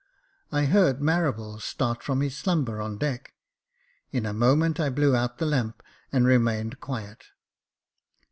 I heard Marables start from his slumber on deck ; in a moment I blew out the lamp, and remained quiet.